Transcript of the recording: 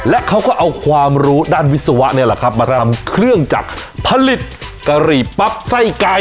และเขาก็เอาความรู้ด้านวิศวะนี่แหละครับมาทำเครื่องจักรผลิตกะหรี่ปั๊บไส้ไก่